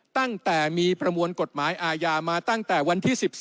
ตั้งแต่มีประมวลกฎหมายอาญามาตั้งแต่วันที่๑๔